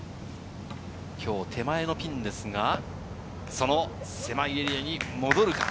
きょう手前のピンですが、その狭いエリアに戻る。